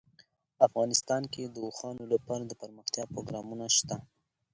افغانستان کې د اوښانو لپاره دپرمختیا پروګرامونه شته.